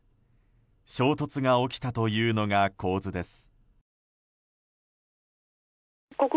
衝突が起きたというのが構図です。